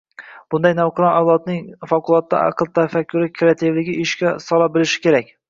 Bunda navqiron avlodning favqulodda aql-tafakkuri, kreativligini ishga sola bilishimiz kerak.